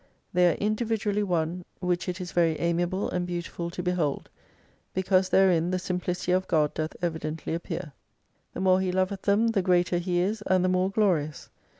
They are individually one, which it is very amiable and beautiful to behold, because therein the simplicity of God doth evidently appear. The more He loveth them, the greater He is and the more glorious.